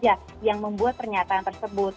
jadi kita harus membuat pernyataan tersebut